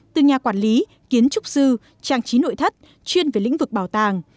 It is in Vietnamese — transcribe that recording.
từ nhà quản lý kiến trúc sư trang trí nội thất chuyên về lĩnh vực bảo tàng